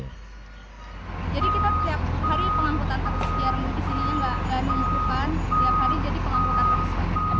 jadi kita tiap hari pengangkutan sampah tiap hari jadi pengangkutan sampah